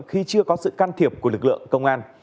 khi chưa có sự can thiệp của lực lượng công an